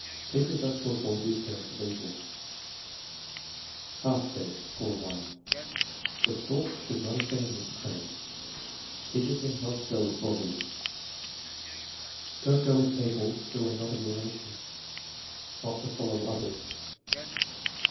"Teaches us to avoid the appearance of evil." Half credit; score 1. "The stork should not have been with the cranes." "Teaches him not to go with robbers." "Don't go with people who are not of your nation." "Not to follow others."